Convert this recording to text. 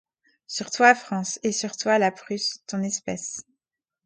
Sur toi, France ; et sur toi, la Prusse, ton espèce